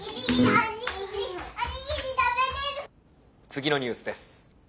「次のニュースです。